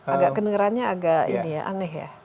agak kedengerannya agak ini ya aneh ya